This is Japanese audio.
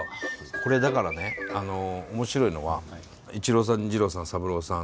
これだからね面白いのは逸郎さん治郎さん三郎さん